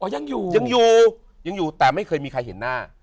ยังอยู่ยังอยู่ยังอยู่แต่ไม่เคยมีใครเห็นหน้า